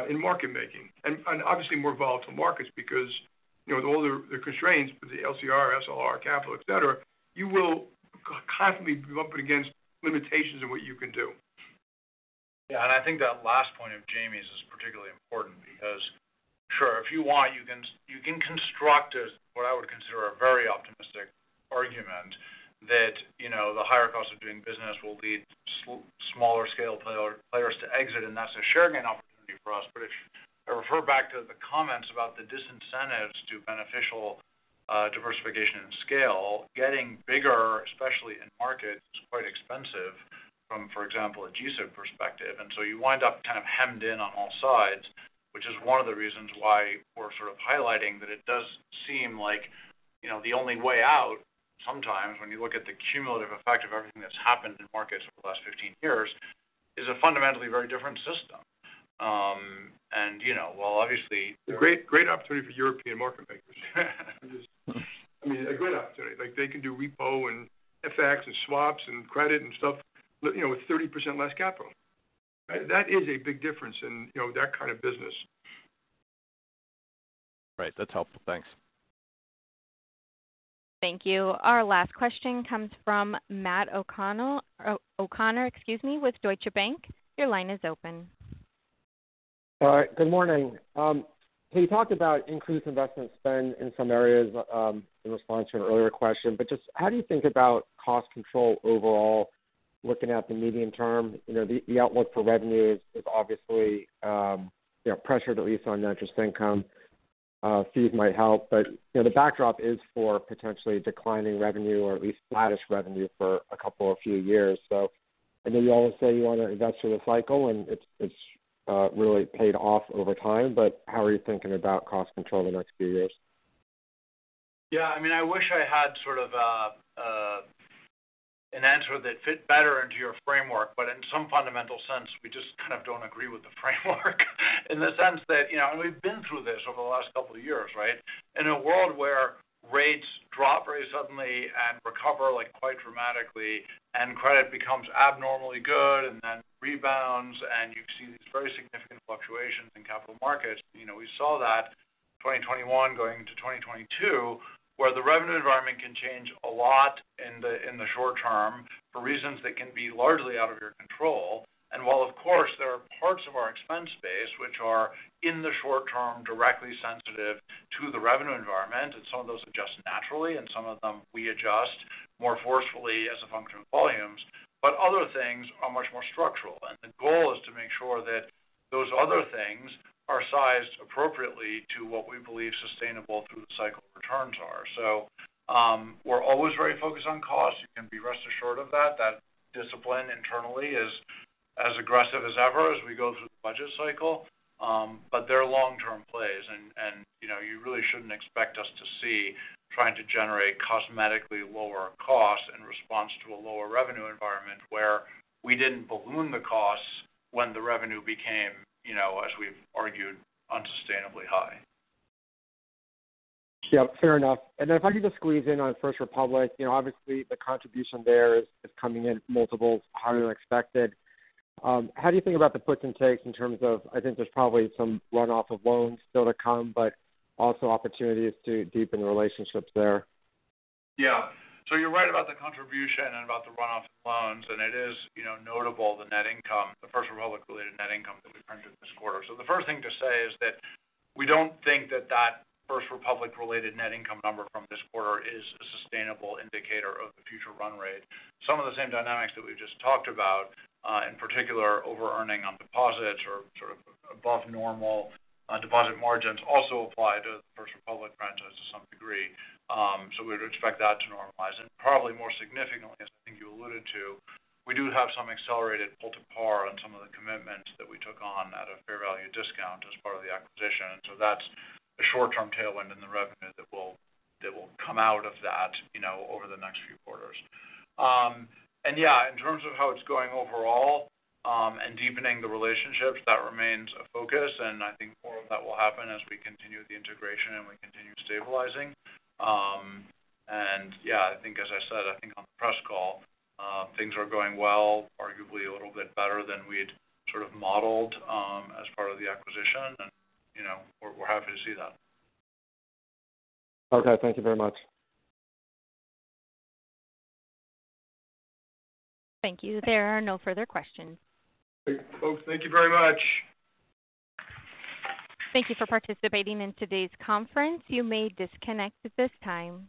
in market making. And, and obviously, more volatile markets because, you know, with all the constraints, with the LCR, SLR, capital, et cetera, you will constantly be up against limitations of what you can do. Yeah, and I think that last point of Jamie's is particularly important because, sure, if you want, you can construct what I would consider a very optimistic argument that, you know, the higher cost of doing business will lead smaller scale players to exit, and that's a share gain opportunity for us. But if I refer back to the comments about the disincentives to beneficial diversification and scale, getting bigger, especially in markets, is quite expensive from, for example, a G-SIB perspective. And so you wind up kind of hemmed in on all sides, which is one of the reasons why we're sort of highlighting that it does seem like, you know, the only way out sometimes when you look at the cumulative effect of everything that's happened in markets over the last 15 years, is a fundamentally very different system. And, you know, while obviously- A great, great opportunity for European market makers. I mean, a great opportunity. Like, they can do repo and FX and swaps and credit and stuff, you know, with 30% less capital. Right? That is a big difference in, you know, that kind of business. Right. That's helpful. Thanks. Thank you. Our last question comes from Matt O'Connell, O'Connor, excuse me, with Deutsche Bank. Your line is open. All right. Good morning. Can you talk about increased investment spend in some areas, in response to an earlier question, but just how do you think about cost control overall, looking at the medium term? You know, the outlook for revenue is obviously, you know, pressured, at least on net interest income. Fees might help, but, you know, the backdrop is for potentially declining revenue or at least flattish revenue for a couple or few years. So I know you always say you want to invest through the cycle, and it's really paid off over time, but how are you thinking about cost control the next few years? Yeah, I mean, I wish I had sort of an answer that fit better into your framework, but in some fundamental sense, we just kind of don't agree with the framework. In the sense that, you know, and we've been through this over the last couple of years, right? In a world where rates drop very suddenly and recover, like, quite dramatically, and credit becomes abnormally good and then rebounds, and you've seen these very significant fluctuations in capital markets. You know, we saw that 2021 going into 2022, where the revenue environment can change a lot in the short term for reasons that can be largely out of your control. And while, of course, there are parts of our expense base which are, in the short term, directly sensitive to the revenue environment, and some of those adjust naturally, and some of them we adjust more forcefully as a function of volumes, but other things are much more structural. The goal is to make sure that those other things are sized appropriately to what we believe sustainable through the cycle returns are. So, we're always very focused on cost. You can be rest assured of that. That discipline internally is as aggressive as ever as we go through the budget cycle, but there are long-term plays and, you know, you really shouldn't expect us to see trying to generate cosmetically lower costs in response to a lower revenue environment where we didn't balloon the costs when the revenue became, you know, as we've argued, unsustainably high. Yeah, fair enough. And then if I could just squeeze in on First Republic, you know, obviously, the contribution there is, is coming in multiples higher than expected. How do you think about the puts and takes in terms of... I think there's probably some runoff of loans still to come, but also opportunities to deepen the relationships there. Yeah. So you're right about the contribution and about the runoff of loans, and it is, you know, notable, the net income, the First Republic-related net income that we printed this quarter. So the first thing to say is that we don't think that that First Republic-related net income number from this quarter is a sustainable indicator of the future run rate. Some of the same dynamics that we've just talked about, in particular, overearning on deposits or sort of above normal, deposit margins also apply to the First Republic franchise to some degree. So we would expect that to normalize. And probably more significantly, as I think you alluded to, we do have some accelerated pull-to-par on some of the commitments that we took on at a fair value discount as part of the acquisition. So that's a short-term tailwind in the revenue that will, that will come out of that, you know, over the next few quarters. Yeah, in terms of how it's going overall, and deepening the relationships, that remains a focus, and I think more of that will happen as we continue the integration and we continue stabilizing. Yeah, I think as I said, I think on the press call, things are going well, arguably a little bit better than we'd sort of modeled, as part of the acquisition. You know, we're, we're happy to see that. Okay. Thank you very much. Thank you. There are no further questions. Great. Folks, thank you very much. Thank you for participating in today's conference. You may disconnect at this time.